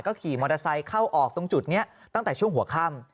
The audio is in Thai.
ขี่มอเตอร์ไซค์เข้าออกตรงจุดนี้ตั้งแต่ช่วงหัวค่ำ